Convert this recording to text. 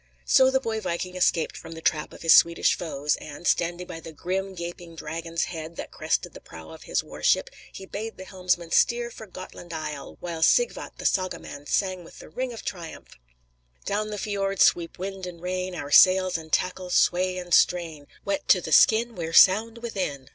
So the boy viking escaped from the trap of his Swedish foes, and, standing by the "grim, gaping dragon's head" that crested the prow of his warship, he bade the helmsman steer for Gotland Isle, while Sigvat, the saga man, sang with the ring of triumph: "Down the fiord sweep wind and rain; Our sails and tackle sway and strain; Wet to the skin We're sound within.